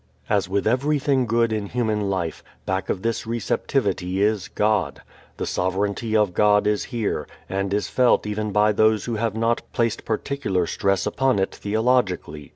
As with everything good in human life, back of this receptivity is God. The sovereignty of God is here, and is felt even by those who have not placed particular stress upon it theologically.